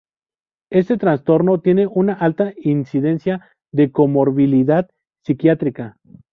Este trastorno tiene una alta incidencia de comorbilidad psiquiátrica.